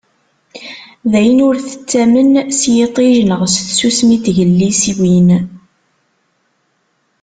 Dayen, ur tettamen s yiṭij neɣ s tsusmi n tegliswin.